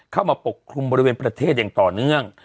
ปกคลุมบริเวณประเทศอย่างต่อเนื่อง